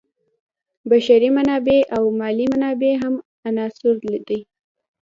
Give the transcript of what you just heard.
بشري منابع او مالي منابع هم عناصر دي.